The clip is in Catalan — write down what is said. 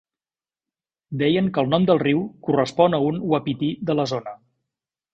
Deien que el nom del riu correspon a un uapití de la zona.